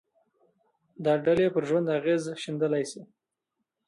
دا ډلې پر ژوند اغېز ښندلای شي